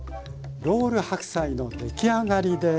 ロール白菜の出来上がりです。